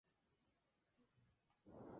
Se administra por vía oral o tópica.